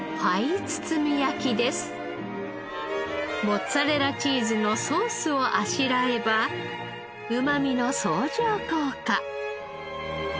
モッツァレラチーズのソースをあしらえばうまみの相乗効果。